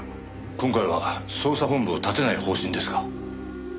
今回は捜査本部を立てない方針ですか？